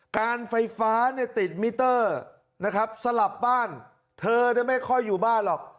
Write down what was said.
การไฟฟ้าเนี่ยติดมิเตอร์นะครับสลับบ้านเธอไม่ค่อยอยู่บ้านหรอก